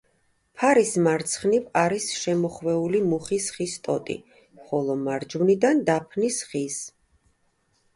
ფარის მარცხნივ არის შემოხვეული მუხის ხის ტოტი ხოლო მარჯვნიდან დაფნის ხის.